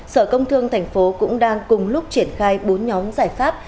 sở công thương tp hcm cũng đang cùng lúc triển khai bốn nhóm giải pháp